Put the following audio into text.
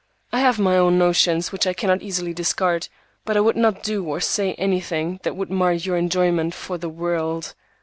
I have my own notions, which I cannot easily discard, but I would not do or say anything that would mar your enjoyment for the world.